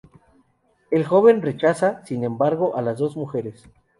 El joven rechaza, sin embargo, a las dos mujeres.